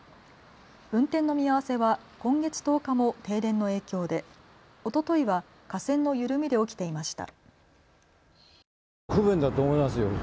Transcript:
運転の見合わせは今月１０日も停電の影響で、おとといは架線の緩みで起きていました。